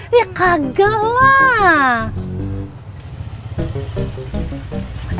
ya kagak lah